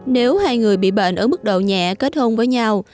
nếu hai người bị bệnh ở mức độ nhẹ kết hôn với nhau